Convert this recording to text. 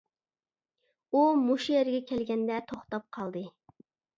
ئۇ مۇشۇ يەرگە كەلگەندە توختاپ قالدى.